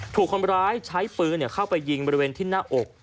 ถูกคนร้ายใช้ปืนเข้าไปยิงบริเวณที่หน้าอก